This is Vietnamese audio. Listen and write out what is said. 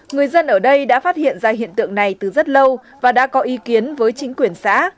người dân ở đây đã phát hiện ra hiện tượng này từ rất lâu và đã có ý kiến với chính quyền xã